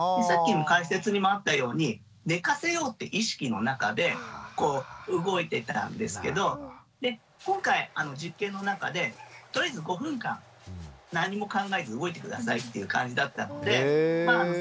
さっきの解説にもあったように寝かせようって意識の中で動いてたんですけど今回実験の中でとりあえず５分間何も考えず動いて下さいっていう感じだったのでまあ